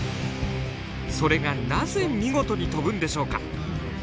それがなぜ見事に飛ぶんでしょうか？